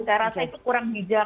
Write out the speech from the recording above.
terasa itu kurang hijau